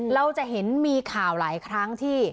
เราจะเห็นมีข่าวหลายครั้งที่